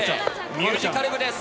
ミュージカル部です。